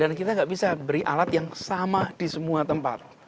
dan kita tidak bisa memberi alat yang sama di semua tempat